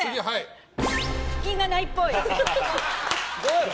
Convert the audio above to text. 腹筋がないっぽい。